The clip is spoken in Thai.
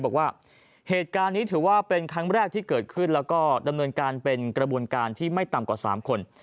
บอกว่าเหตุการณ์นี้ถือว่าเป็นครั้งแรกที่เกิดขึ้นแล้วก็ดำเนินการเป็นกระบวนการที่ไม่ต่ำกว่า๓คน